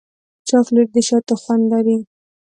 چاکلېټ د شاتو خوند لري.